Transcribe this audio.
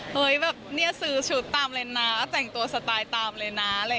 เฮ้ยแบบเนี่ยซื้อชุดตามเลยนะแต่งตัวสไตล์ตามเลยนะ